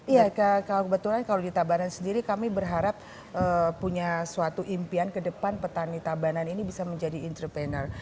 iya kalau kebetulan kalau di tabanan sendiri kami berharap punya suatu impian ke depan petani tabanan ini bisa menjadi entrepreneur